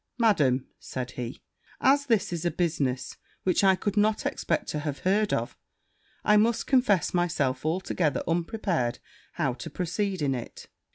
'Madam,' said he, 'as this is a business which I could not expect to have heard of, I must confess myself altogether unprepared how to proceed in it.